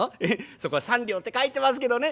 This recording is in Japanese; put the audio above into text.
そこは『３両』って書いてますけどね